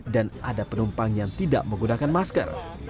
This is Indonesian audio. dan ada penumpang yang tidak menggunakan masker